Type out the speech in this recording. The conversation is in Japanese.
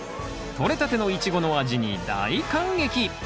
とれたてのイチゴの味に大感激！